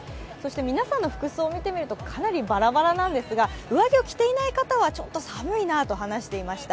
皆さんの服装を見てみるとかなりバラバラなんですが上着を着ていない方はちょっと寒いなと話していました。